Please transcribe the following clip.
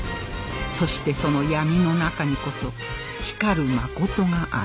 そしてその闇の中にこそ光る真がある